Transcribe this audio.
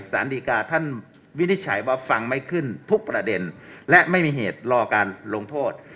สารดีกาท่านวินิจฉัยว่าฟังไม่ขึ้นทุกประเด็นและไม่มีเหตุรอการลงโทษ